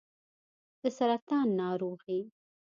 د سرطان ناروغي